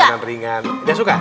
makanan ringan dia suka